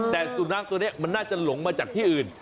แต่สุนัขตัวนี้มันน่าจะหลงมาจากที่อื่น